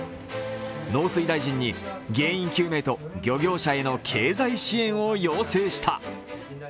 農水大臣に原因究明と漁業者への経済支援を要請した。